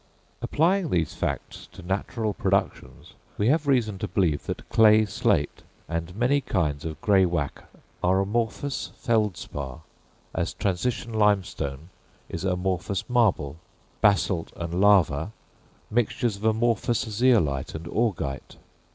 Applying these facts to natural productions, we have reason to believe that clay slate, and many kinds of greywacke, are amorphous feldspar, as transition limestone is amorphous marble, basalt and lava mixtures of amorphous zeolite and augite.